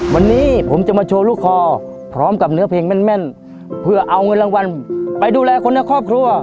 วันนี้ผมจะมาโชว์ลูกคอพร้อมกับเนื้อเพลงแม่นเพื่อเอาเงินรางวัลไปดูแลคนในครอบครัว